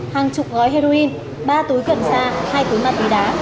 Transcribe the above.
hàng chục gói heroin ba túi cẩn xa hai túi ma túy đá